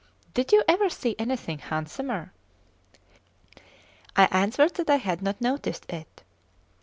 Did you ever see anything handsomer?" I answered that I had not noticed it.